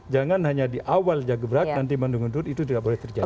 jangan hanya di awal dia gebrak nanti mendung dung itu tidak boleh terjadi